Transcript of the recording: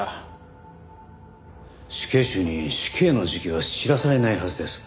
死刑囚に死刑の時期は知らされないはずです。